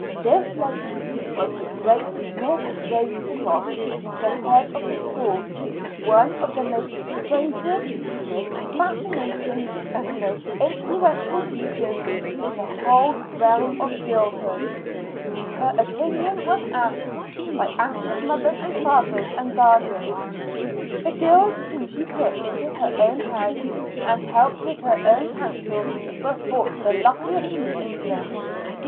This lady was the great Miss Ravenscroft, the head of the school, one of the most persuasive, most fascinating, and most influential teachers in the whole realm of girlhood. Her opinion was asked by anxious mothers and fathers and guardians. The girls whom she took into her own house and helped with her own counsel were thought the luckiest in England.